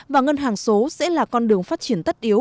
và ngân hàng số sẽ là con đường phát triển tất yếu